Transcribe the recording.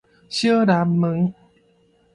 小南門